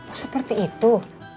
oh seperti itu